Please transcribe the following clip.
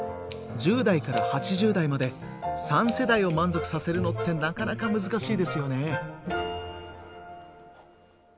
１０代から８０代まで３世代を満足させるのってなかなか難しいですよね。